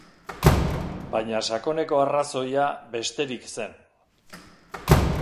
Baina sakoneko arrazoia besterik zen.